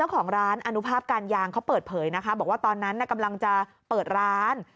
การยางเขาเปิดเผยนะคะบอกว่าตอนนั้นเนี่ยกำลังจะเปิดร้าน